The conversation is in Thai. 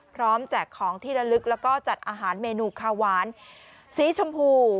แจกของที่ระลึกแล้วก็จัดอาหารเมนูคาหวานสีชมพู